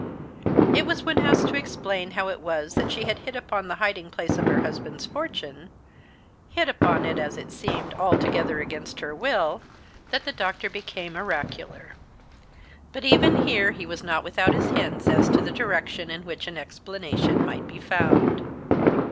It was when asked to explain how it was that she had hit upon the hiding place of her husband's fortune hit upon it, as it seemed, altogether against her will, that the doctor became oracular. But even here he was not without his hints as to the direction in which an explanation might be found.